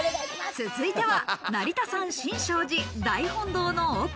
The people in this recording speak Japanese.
続いては成田山新勝寺・大本堂の奥。